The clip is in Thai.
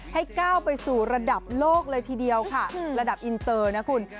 ให้ก้าวไปสู่ระดับโลกเลยทีเดียวค่ะระดับอินเตอร์นะคุณ